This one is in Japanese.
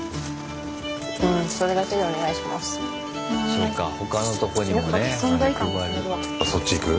そうか他のとこにもね。そっち行く？